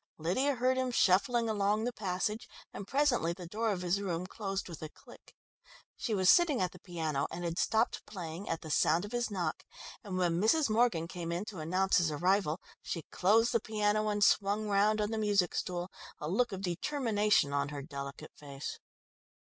Lydia heard him shuffling along the passage, and presently the door of his room closed with a click. She was sitting at the piano, and had stopped playing at the sound of his knock, and when Mrs. Morgan came in to announce his arrival, she closed the piano and swung round on the music stool, a look of determination on her delicate face.